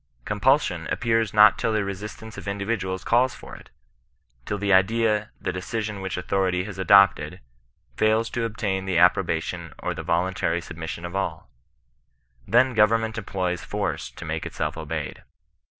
Compulsion appears not till the resistance of individuals calls for it — till the idea, the decision which authority has adopted, fails to obtain the 176 GHBISTIIN NON RESISTANCE. approbation or the yoluntaiy submission of alL Then government employs force to make itself obeyed.